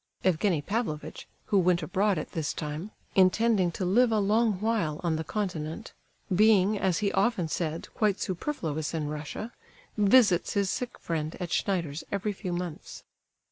Evgenie Pavlovitch, who went abroad at this time, intending to live a long while on the continent, being, as he often said, quite superfluous in Russia, visits his sick friend at Schneider's every few months.